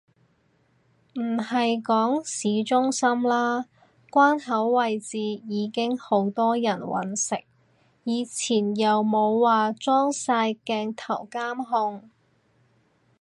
唔係講市中心啦，關口位置已經好多人搵食，以前又冇話裝晒鏡頭監控